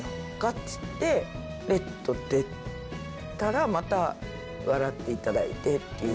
っつって『レッド』出たらまた笑っていただいてっていう。